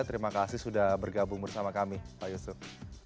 terima kasih sudah bergabung bersama kami pak yusuf